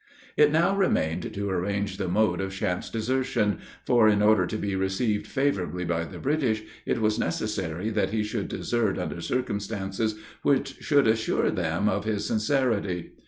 It now remained to arrange the mode of Champe's desertion, for, in order to be received favorably by the British, it was necessary that he should desert under circumstances which should assure them of his sincerity.